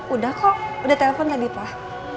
udah kok udah telpon tadi pak